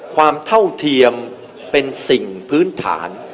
เท่าเทียมเป็นสิ่งพื้นฐาน